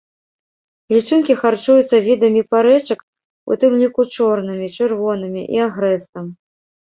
Лічынкі харчуюцца відамі парэчак, у тым ліку чорнымі, чырвонымі і агрэстам.